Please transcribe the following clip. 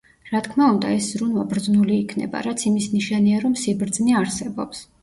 რა თქმა უნდა, ეს ზრუნვა ბრძნული იქნება, რაც იმის ნიშანია, რომ სიბრძნე არსებობს.